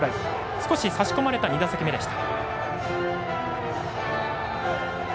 少し差し込まれた２打席目でした。